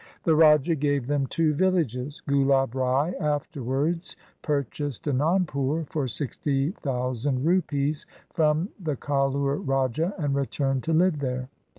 The raja gave them two villages. Gulab Rai afterwards purchased Anandpur for sixty thousand rupees from the Kahlur Raja and returned to live there.